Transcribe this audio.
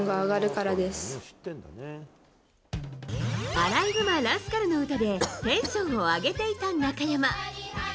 「あらいぐまラスカル」の歌でテンションを上げていた中山。